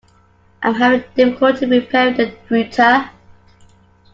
I'm having difficulty repairing the router.